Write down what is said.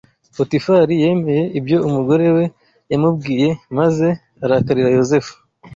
Potifari yemeye ibyo umugore we yamubwiye maze arakarira Yozefu